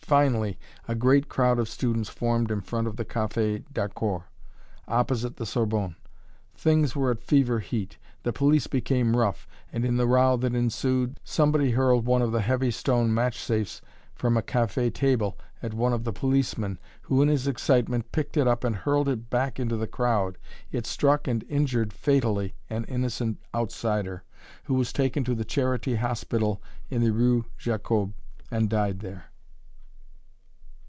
Finally a great crowd of students formed in front of the Café d'Harcourt, opposite the Sorbonne; things were at fever heat; the police became rough; and in the row that ensued, somebody hurled one of the heavy stone match safes from a café table at one of the policemen, who in his excitement picked it up and hurled it back into the crowd. It struck and injured fatally an innocent outsider, who was taken to the Charity Hospital, in the rue Jacob, and died there.